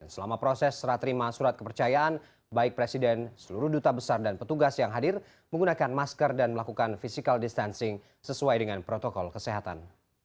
selama proses serah terima surat kepercayaan baik presiden seluruh duta besar dan petugas yang hadir menggunakan masker dan melakukan physical distancing sesuai dengan protokol kesehatan